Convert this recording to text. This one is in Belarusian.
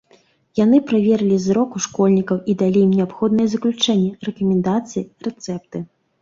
Яны праверылі зрок у школьнікаў і далі ім неабходныя заключэнні, рэкамендацыі, рэцэпты.